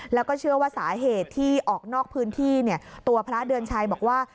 แล้วก็เชื่อว่าสาเหตุที่ออกนอกพื้นที่ตัวพระเดือนชัยบอกว่า